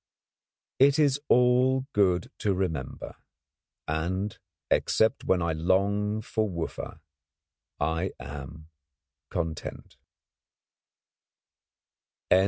It is all good to remember, and, except when I long for Wooffa, I am content.